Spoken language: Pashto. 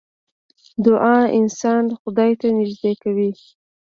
دعا انسان خدای ته نژدې کوي .